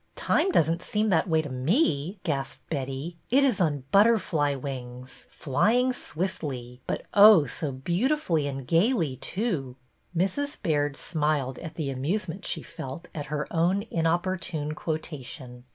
Time does n't seem that way to me," gasped Betty. It is on butterfly wings, flying swiftly, but, oh, so beautifully and gayly too." Mrs. Baird smiled at the amusement she felt at her own inopportune quotation.